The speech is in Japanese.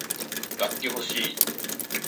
楽器ほしい